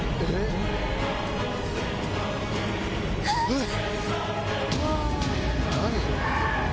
えっ！